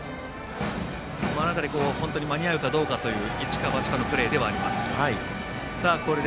間に合うかどうかという一か八かのプレーではあります。